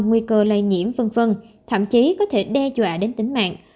nguy cơ lây nhiễm v v thậm chí có thể đe dọa đến tính mạng